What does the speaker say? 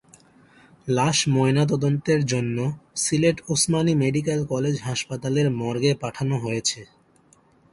লাশ ময়নাতদন্তের জন্য সিলেট ওসমানী মেডিকেল কলেজ হাসপতালের মর্গে পাঠানো হয়েছে।